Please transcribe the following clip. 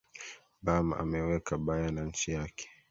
bam ameweka bayana nchi yake